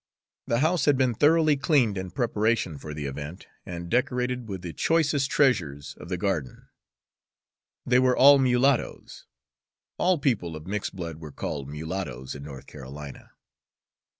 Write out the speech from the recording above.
The house had been thoroughly cleaned in preparation for the event, and decorated with the choicest treasures of the garden. By eight o'clock the guests had gathered. They were all mulattoes, all people of mixed blood were called "mulattoes" in North Carolina.